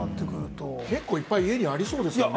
結構家にいっぱいありそうですよね